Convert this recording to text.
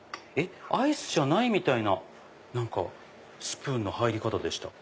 アイスじゃないみたいなスプーンの入り方でした。